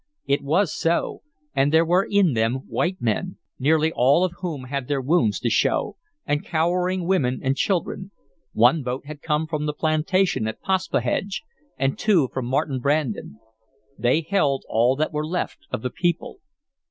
It was so, and there were in them white men, nearly all of whom had their wounds to show, and cowering women and children. One boat had come from the plantation at Paspahegh, and two from Martin Brandon; they held all that were left of the people....